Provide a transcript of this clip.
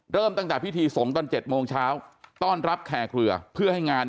เริ่มตั้งแต่พิธีสงฆ์ตอน๗โมงเช้าต้อนรับแคร์เครือเพื่อให้งาน